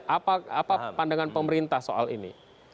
apa pandangan pemerintah soal ini